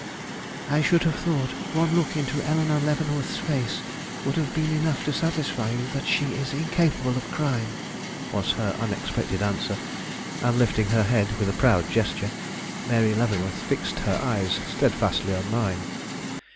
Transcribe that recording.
"I should have thought one look into Eleanore Leavenworth's face would have been enough to satisfy you that she is incapable of crime," was her unexpected answer; and, lifting her head with a proud gesture, Mary Leavenworth fixed her eyes steadfastly on mine.